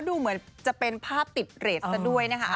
ดูเหมือนจะเป็นภาพติดเรทซะด้วยนะคะ